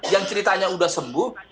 yang ceritanya sudah sembuh